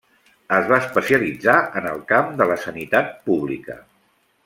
Es va especialitzar en el camp de la Sanitat Pública.